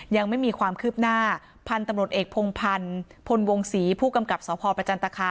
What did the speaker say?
ยังไม่มีความคืบหน้าพันธุ์ตำรวจเอกพงพันธ์พลวงศรีผู้กำกับสพประจันตคา